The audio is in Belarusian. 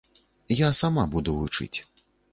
Я сама буду вучыць.